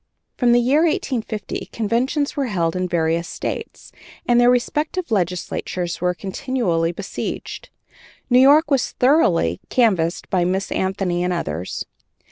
From the year 1850 conventions were held in various States, and their respective legislatures were continually besieged; New York was thoroughly canvassed by Miss Anthony and others.